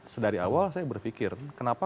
sedari awal saya berpikir kenapa